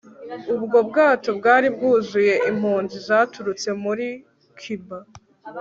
Ubwo bwato bwari bwuzuye impunzi zaturutse muri Cuba